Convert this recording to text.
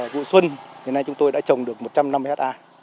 vụ xuân chúng tôi đã trồng được một trăm năm mươi ha